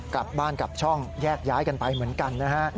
กลับบ้านกลับช่องแยกย้ายกันไปเหมือนกันนะฮะ